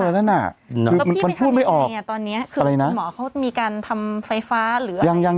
แล้วพี่ไปทำยังไงตอนนี้คือหมอเขามีการทำไฟฟ้าหรืออะไร